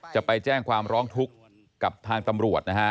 จะไปแจ้งความร้องทุกข์กับทางตำรวจนะฮะ